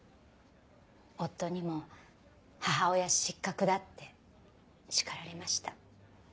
夫にも母親失格だって叱られました。